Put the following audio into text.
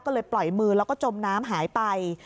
ก็เลยปล่อยมือแล้วก็จมน้ำหายไป